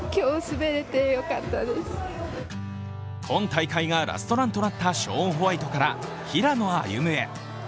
今大会がラストランとなったショーン・ホワイトから平野歩夢へ。